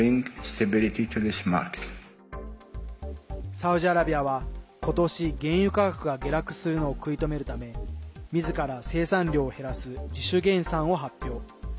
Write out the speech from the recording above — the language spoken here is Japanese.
サウジアラビアは今年原油価格が下落するのを食い止めるためみずから生産量を減らす自主減産を発表。